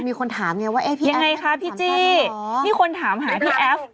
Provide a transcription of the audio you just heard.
มีคนถามเนี้ยว่าเอ๊ะพี่แอฟยังไงคะพี่จี้พี่คนถามหาพี่แอฟ